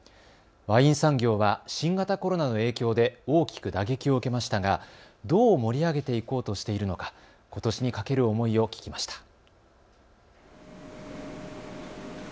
ワイン産業は新型コロナの影響で大きく打撃を受けましたがどう盛り上げていこうとしているのかことしにかける思いを聞きました。